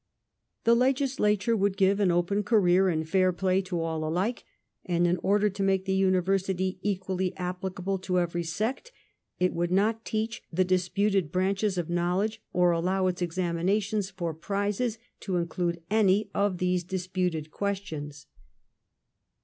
The Legislature would give an open career and fair play to all alike, and in order to make the university equally applicable to every sect it would not teach the disputed branches of know ledge or allow its examinations for prizes to include any of these disputed questions.